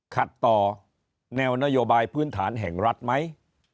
ขัดต่อแนวนโยบายพื้นฐานแห่งรัฐไหม